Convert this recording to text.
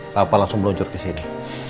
papa langsung meluncur kesini